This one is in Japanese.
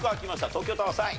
東京タワー３位。